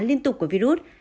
liên tục của virus